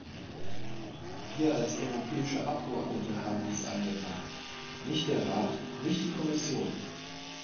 Wir als europäische Abgeordnete haben dies eingebracht, nicht der Rat, nicht die Kommission!